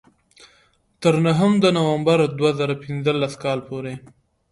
تر نهم د نومبر دوه زره پینځلس کال پورې.